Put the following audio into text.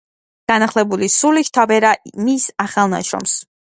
განახლებული სული შთაბერა მის ახალ ნაშრომს.